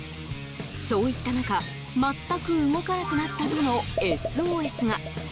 そういった中全く動かなくなったとのＳＯＳが。